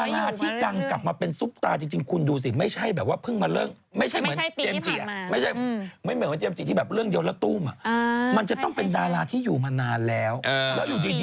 มาก่อนหน้านั้นแล้วมาอยู่มาเรื่อย